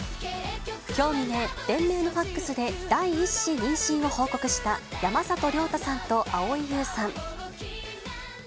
きょう未明、連名のファックスで第１子妊娠を報告した山里亮太さんと蒼井優さん。